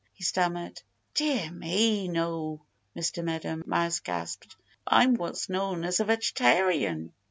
he stammered. "Dear me! No!" Mr. Meadow Mouse gasped. "I'm what's known as a vegetarian."